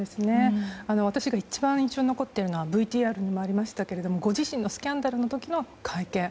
私が一番印象に残っているのはＶＴＲにもありましたがご自身のスキャンダルの時の会見。